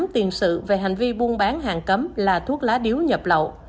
bốn tiền sự về hành vi buôn bán hàng cấm là thuốc lá điếu nhập lậu